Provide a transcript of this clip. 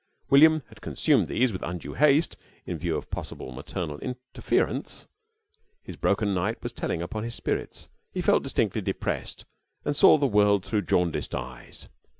William had consumed these with undue haste in view of possible maternal interference. His broken night was telling upon his spirits. He felt distinctly depressed and saw the world through jaundiced eyes.